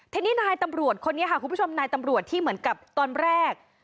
ทีนี้นายตำรวจคนนี้ค่ะคุณผู้ชมนายตำรวจที่เหมือนกับตอนแรก